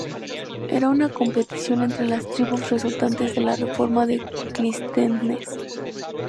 Era una competición entre las tribus resultantes de la reforma de Clístenes.